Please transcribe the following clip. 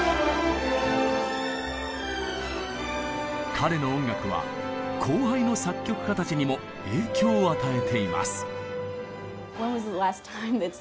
彼の音楽は後輩の作曲家たちにも影響を与えています。